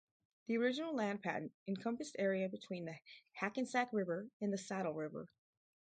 The original land patent encompassed area between the Hackensack River and the Saddle River.